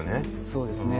そうですね。